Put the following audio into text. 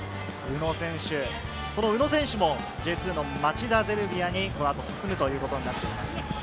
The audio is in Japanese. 宇野選手、宇野選手もＪ２の町田ゼルビアにこのあと進むということになっています。